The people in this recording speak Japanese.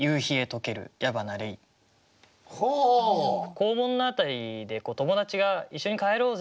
校門の辺りで友達が「一緒に帰ろうぜ！」